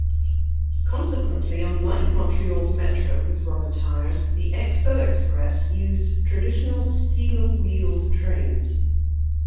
Consequently, unlike Montreal's Metro with rubber tires, the Expo Express used traditional steel-wheeled trains.